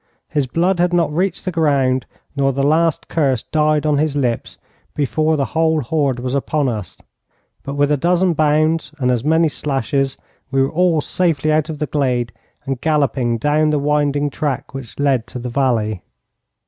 His blood had not reached the ground, nor the last curse died on his lips, before the whole horde was upon us, but with a dozen bounds and as many slashes we were all safely out of the glade, and galloping down the winding track which led to the valley.